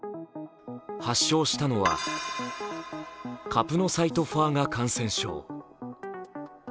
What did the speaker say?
発症したのはカプノサイトファーガ感染症。